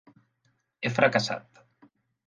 He fracassat.